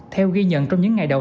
theo ghi nhận trong những ngày đầu